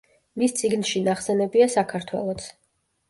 მის წიგნში ნახსენებია საქართველოც.